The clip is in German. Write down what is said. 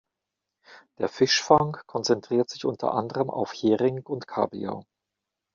Der Fischfang konzentriert sich unter anderem auf Hering und Kabeljau.